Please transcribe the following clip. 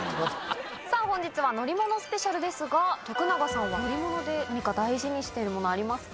さぁ本日は乗り物スペシャルですが徳永さんは乗り物で何か大事にしてるものありますか？